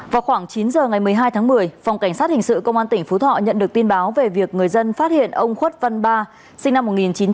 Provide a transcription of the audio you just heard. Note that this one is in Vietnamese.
vào khoảng chín giờ ngày một mươi hai tháng một mươi phòng cảnh sát hình sự công an tỉnh phú thọ nhận được tin báo về việc người dân phát hiện ông khuất văn ba sinh năm một nghìn chín trăm tám mươi